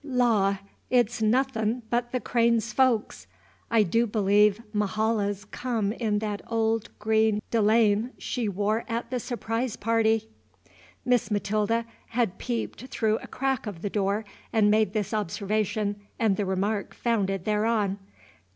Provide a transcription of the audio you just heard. "Law! it's nothin' but the Cranes' folks! I do believe Mahala 's come in that old green de laine she wore at the Surprise Party!" Miss Matilda had peeped through a crack of the door and made this observation and the remark founded thereon.